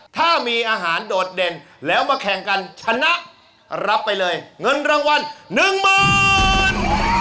ถ้ามีอาหารโดดเด่นแล้วมาแข่งกันชนะรับไปเลยเงินรางวัลหนึ่งหมื่น